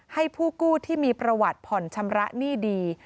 ให้ผู้กู้ที่มีประวัติผ่อนชำระหนี้ดี